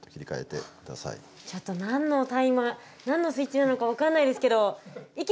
ちょっと何のスイッチなのか分かんないですけどいきます！